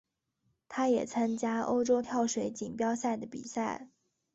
他也参加欧洲跳水锦标赛的比赛。